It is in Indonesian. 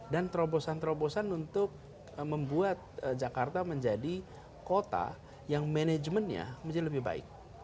dan terobosan terobosan untuk membuat jakarta menjadi kota yang manajemennya menjadi lebih baik